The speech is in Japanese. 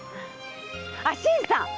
あ新さん！